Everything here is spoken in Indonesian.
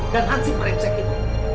dan hansi mareksek ini